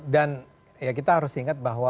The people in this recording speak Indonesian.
dan ya kita harus ingat bahwa